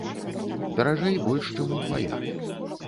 Даражэй больш чым удвая.